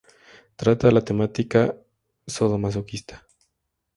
Trata la temática sadomasoquista.